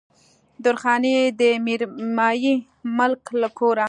درخانۍ يې د ميرمايي ملک له کوره